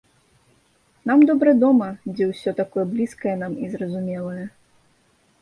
Нам добра дома, дзе ўсё такое блізкае нам і зразумелае.